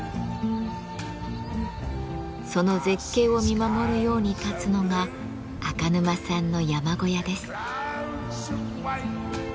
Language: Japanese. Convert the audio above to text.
その絶景を見守るように建つのが赤沼さんの山小屋です。